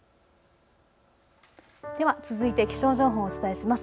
では続いて気象情報をお伝えします。